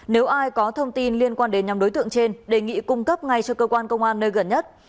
nếu ai có thông tin liên quan đến nhóm đối tượng trên đề nghị cung cấp ngay cho cơ quan công an nơi gần nhất